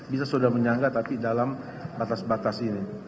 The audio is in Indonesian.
bisa sudah menyangga tapi dalam batas batas ini